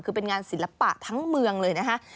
คือเป็นงานศิลปะทั้งเมืองเลยนะคะ